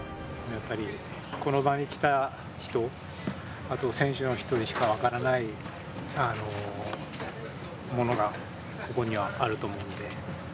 この場に来た人、選手の人にしか分からないものがここにはあると思うんで。